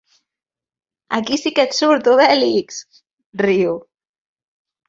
Aquí sí que et surt Obèlix! —riu.